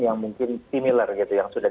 yang mungkin similler gitu yang sudah